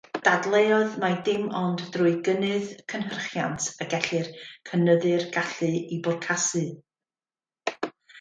Dadleuodd mai dim ond drwy gynyddu cynhyrchiant y gellir cynyddu'r gallu i bwrcasu.